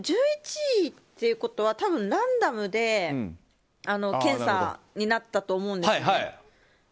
１１位っていうことは、多分ランダムで検査になったと思うんですね。